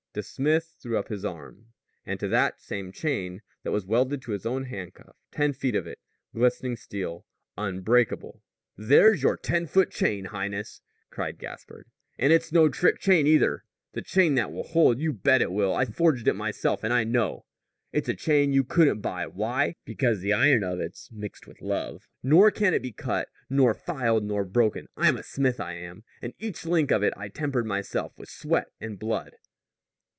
The smith threw up his arm. It was the same chain that was welded to his own handcuff ten feet of it, glistening steel, unbreakable. "There's your ten foot chain, highness," cried Gaspard. "And it's no trick chain, either," he added. "It's a chain that will hold. You bet it will. I forged it myself, and I know. It's a chain you couldn't buy. Why? Because because the iron of it's mixed with love. Nor can it be cut, nor filed, nor broken. I'm a smith, I am. And each link of it I tempered myself with sweat and blood."